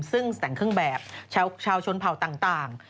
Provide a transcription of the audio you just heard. ซึ่งแต่งเครื่องแบบชาวชนเผ่าต่าง